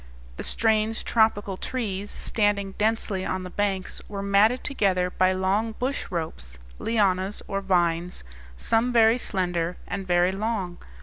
The strange tropical trees, standing densely on the banks, were matted together by long bush ropes lianas, or vines, some very slender and very long.